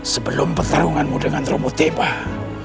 sebelum pertarunganmu dengan romo tebah